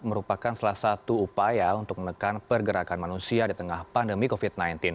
merupakan salah satu upaya untuk menekan pergerakan manusia di tengah pandemi covid sembilan belas